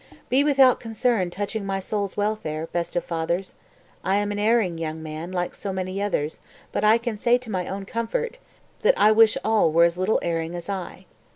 251. "Be without concern touching my soul's welfare, best of fathers! I am an erring young man, like so many others, but I can say to my own comfort, that I wish all were as little erring as I.